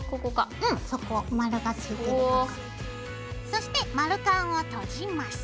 そして丸カンを閉じます。